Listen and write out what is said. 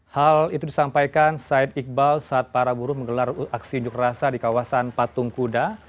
hal itu disampaikan said iqbal saat para buruh menggelar aksi yuk rasa di kawasan patung kuda